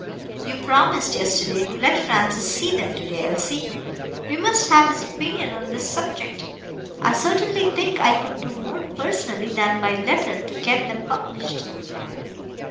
"You promised yesterday to let Francis see them to day, Elsie. We must have his opinion on this subject. I certainly think I could do more personally, than by letter, to get them published."